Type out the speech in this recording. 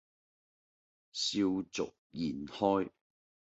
笑逐言開